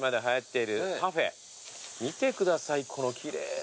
見てくださいこの奇麗な。